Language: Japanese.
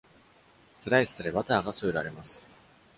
スライスされ、バターが添えられます。